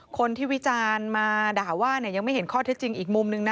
วิจารณ์มาด่าว่ายังไม่เห็นข้อเท็จจริงอีกมุมนึงนะ